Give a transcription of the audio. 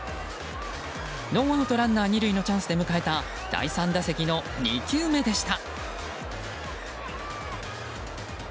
ノーアウトランナー２塁のチャンスで迎えた第３打席の２球目でした。